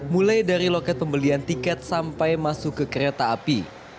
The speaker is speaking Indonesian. mulai dari loket pembelian tiket sampai masuk ke kereta api